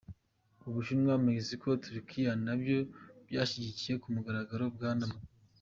Ubushinwa, Mexico na Turukiya, nabyo byashyigikiye ku mugaragaro Bwana Maduro.